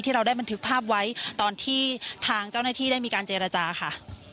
เราได้บันทึกภาพไว้ตอนที่ทางเจ้าหน้าที่ได้มีการเจรจาค่ะ